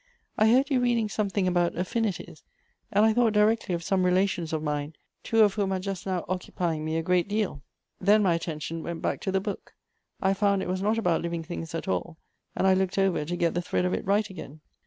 I heard you reading something about Affinities, and I thought directly of some relations of mine, two of whom are just now occupying me a great deal. ' Then my attention went back to the book. I found it was not about living things at all, and I looked over to get the thread of it right again."